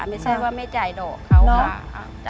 ไม่ใช่ว่าไม่จ่ายดอกเขาค่ะ